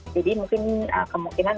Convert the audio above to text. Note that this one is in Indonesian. jadi mungkin kemungkinan